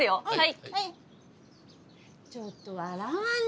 はい。